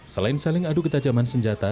selain saling adu ketajaman senjata